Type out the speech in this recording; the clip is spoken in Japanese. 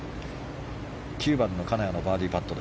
９番、金谷のバーディーパット。